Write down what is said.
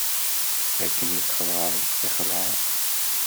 Akken txelɛeḍ i xelɛeɣ.